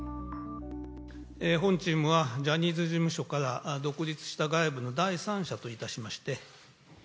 本チームは、ジャニーズ事務所から独立した外部の第三者といたしまして。